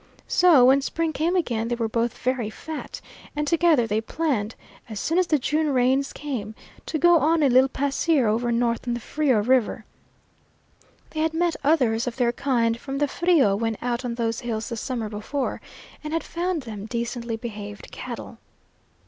So when spring came again they were both very fat, and together they planned as soon as the June rains came to go on a little pasear over north on the Frio River. They had met others of their kind from the Frio when out on those hills the summer before, and had found them decently behaved cattle.